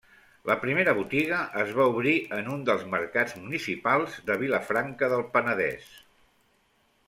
La primera botiga es va obrir en un dels mercats municipals de Vilafranca del Penedès.